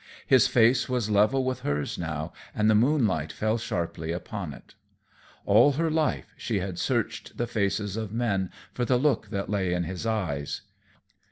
His face was level with hers now and the moonlight fell sharply upon it. All her life she had searched the faces of men for the look that lay in his eyes.